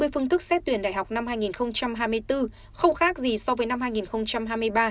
phương thức xét tuyển đại học năm hai nghìn hai mươi bốn không khác gì so với năm hai nghìn hai mươi ba